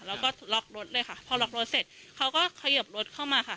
แล้วก็ล็อกรถเลยค่ะพอล็อกรถเสร็จเขาก็เขยิบรถเข้ามาค่ะ